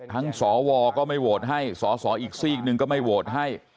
ทั้งสวก็ไม่โหวตให้สสอีกสี่กนึงก็ไม่โหวตให้